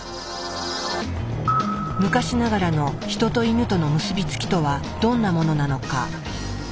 昔ながらのヒトとイヌとの結び付きとはどんなものなのか。